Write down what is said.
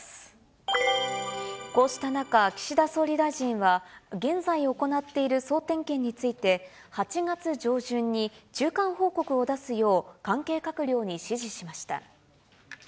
こうした中、岸田総理大臣は、現在行っている総点検について、８月上旬に中間報告を出すよう、関係閣僚に指示しました。